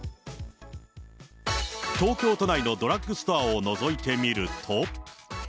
東京都内のドラッグストアをのぞいてみると。